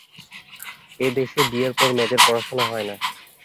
এ দেশে বিয়ের পর মেয়েদের পড়াশোনা হয় না।